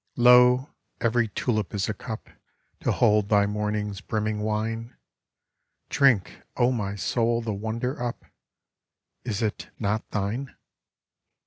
Lo I every tulip is a cup To hold Thy morning's brimming wine; Drink, O my soul, the wonder up — Is it not thine?